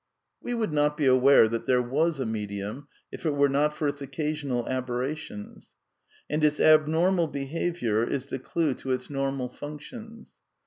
\ We would not be aware that there was a medium if it \ were not for its occasional aberrations. And its abnormal I behaviour is the clue to its normal functions.